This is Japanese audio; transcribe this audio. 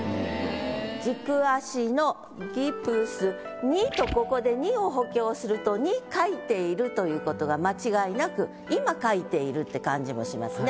「軸足のギプスに」とここで「に」を補強すると「に書いている」という事が間違いなく今書いているって感じもしますね。